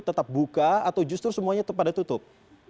tetap buka atau justru semuanya pada tutup